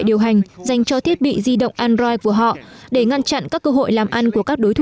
điều hành dành cho thiết bị di động android của họ để ngăn chặn các cơ hội làm ăn của các đối thủ